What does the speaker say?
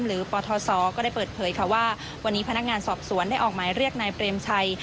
ปทศก็ได้เปิดเผยค่ะว่าวันนี้พนักงานสอบสวนได้ออกหมายเรียกนายเปรมชัย